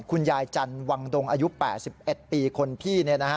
คุณยายจันทร์วังดงอายุ๘๑ปีคนพี่